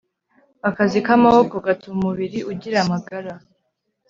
Akazi kamaboko gatuma umubiri ugira amagara